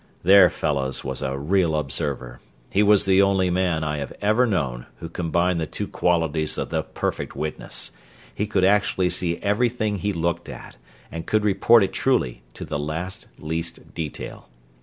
There, fellows, was a real observer. He was the only man, I have ever known, who combined the two qualities of the perfect witness. He could actually see everything he looked at, and could report it truly, to the last, least detail.